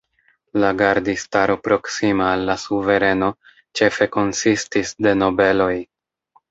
La gardistaro proksima al la suvereno ĉefe konsistis de nobeloj.